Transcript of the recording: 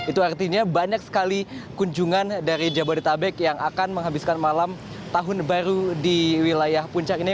itu artinya banyak sekali kunjungan dari jabodetabek yang akan menghabiskan malam tahun baru di wilayah puncak ini